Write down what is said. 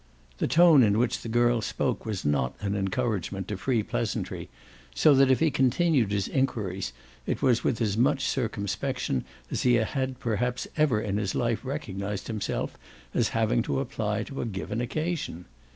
The tone in which the girl spoke was not an encouragement to free pleasantry, so that if he continued his enquiries it was with as much circumspection as he had perhaps ever in his life recognised himself as having to apply to a given occasion.